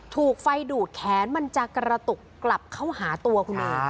ถูกไฟดูดแขนมันจะกระตุกกลับเข้าหาตัวคุณเอง